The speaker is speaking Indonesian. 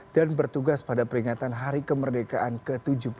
dan bertugas pada peringatan hari kemerdekaan ke tujuh puluh empat